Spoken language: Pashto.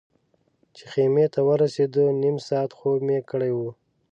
چې خیمې ته ورسېدو نیم ساعت خوب مې کړی و.